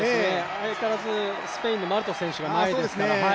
相変わらずスペインのマルトス選手が前ですから。